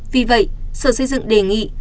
vì vậy sở xây dựng đề nghị